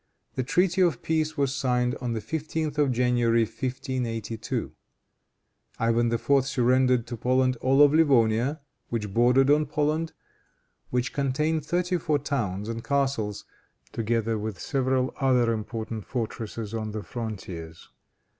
The treaty of peace was signed on the 15th of January, 1582. Ivan IV. surrendered to Poland all of Livonia which bordered on Poland, which contained thirty four towns and castles, together with several other important fortresses on the frontiers.